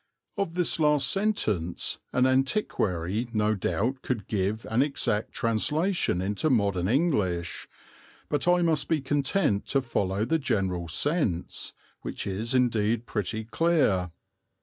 Of this last sentence an antiquary no doubt could give an exact translation into modern English, but I must be content to follow the general sense, which is indeed pretty clear.